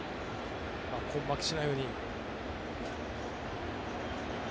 根負けしないように。